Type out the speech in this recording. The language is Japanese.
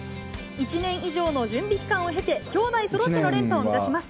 １年以上の準備期間を経て、きょうだいそろっての連覇を目指します。